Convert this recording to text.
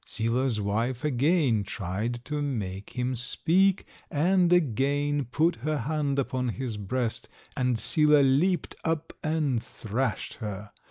Sila's wife again tried to make him speak, and again put her hand upon his breast, and Sila leaped up and thrashed her.